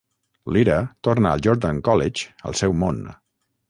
Lyra torna al Jordan College al seu món.